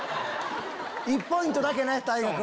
１ポイントだけね太賀君。